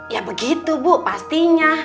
ya begitu bu pastinya